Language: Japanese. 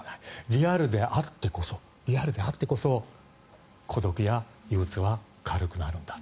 リアルで会ってこそリアルで会ってこそ孤独や憂鬱は軽くなるんだ。